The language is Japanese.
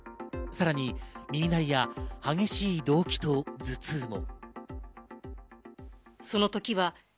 さらに耳鳴りや激しい動悸と頭痛も。